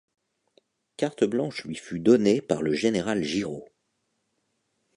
Carte blanche lui fut donnée par le général Giraud.